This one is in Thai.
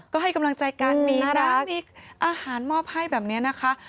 ก็ให้กำลังใจกันมีน้ำมีอาหารมอบให้แบบนี้นะคะ